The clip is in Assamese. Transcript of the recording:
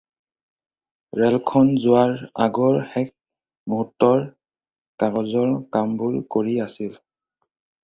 ৰেলখন যোৱাৰ আগৰ শেষ মূহুৰ্তৰ কাগজৰ কামবোৰ কৰি আছিল।